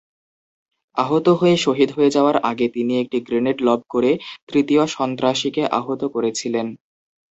আহত হয়ে শহীদ হয়ে যাওয়ার আগে তিনি একটি গ্রেনেড লব করে তৃতীয় সন্ত্রাসীকে আহত করেছিলেন।